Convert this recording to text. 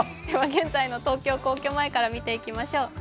現在の東京・皇居前から見ていきましょう。